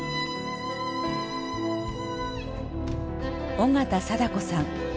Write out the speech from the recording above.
緒方貞子さん。